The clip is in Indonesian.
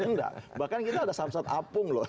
enggak bahkan kita ada samsat apung loh